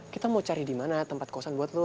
kita mau cari dimana tempat kosan buat lo